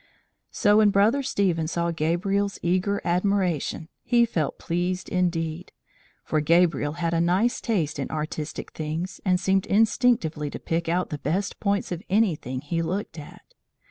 So when Brother Stephen saw Gabriel's eager admiration, he felt pleased indeed; for Gabriel had a nice taste in artistic things, and seemed instinctively to pick out the best points of anything he looked at.